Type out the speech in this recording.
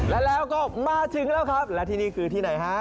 แล้วก็มาถึงแล้วครับและที่นี่คือที่ไหนฮะ